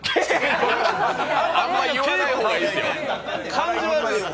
感じ悪いね。